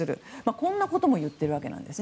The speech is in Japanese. こんなことも言ってるわけです。